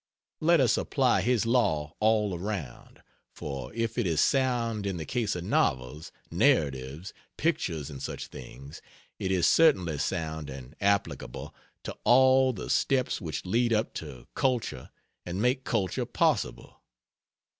Let us apply his law all around: for if it is sound in the case of novels, narratives, pictures, and such things, it is certainly sound and applicable to all the steps which lead up to culture and make culture possible.